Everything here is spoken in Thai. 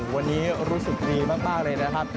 วันนี้รู้สึกดีมากเลยนะครับ